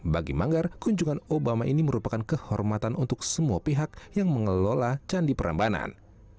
bagi manggar kunjungan obama ini merupakan kehormatan untuk semua pihak yang mengelola candi perambanan